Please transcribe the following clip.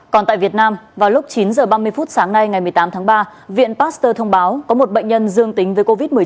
còn tại việt nam vào lúc chín h ba mươi phút sáng nay ngày một mươi tám tháng ba viện pasteur thông báo có một bệnh nhân dương tính với covid một mươi chín